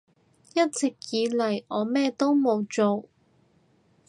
一直以嚟我咩都冇做